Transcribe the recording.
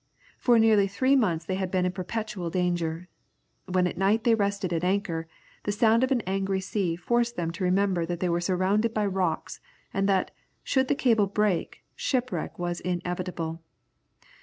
For nearly three months they had been in perpetual danger. When at night they rested at anchor, the sound of an angry sea forced them to remember that they were surrounded by rocks, and that, should the cable break, shipwreck was inevitable.